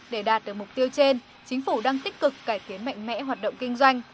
để đạt được mục tiêu trên chính phủ đang tích cực cải tiến mạnh mẽ hoạt động kinh doanh